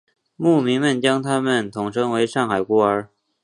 牧民们将他们统称为上海孤儿。